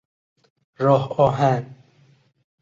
راه آهن